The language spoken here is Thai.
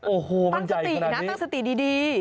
โอ้โหมันใหญ่ขนาดนี้ตั้งสตินะตั้งสติดี